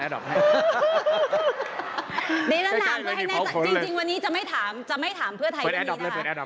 จริงวันนี้จะไม่ถามเพื่อไทยด้วยนะครับ